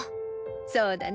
そうだね。